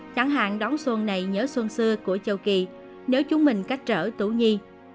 chẳng hạn đóng xuân này nhớ xuân xưa của châu kỳ nếu chúng mình cách trở tú nhi